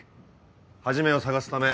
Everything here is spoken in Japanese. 始を捜すため。